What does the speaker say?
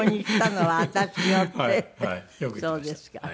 そうですか。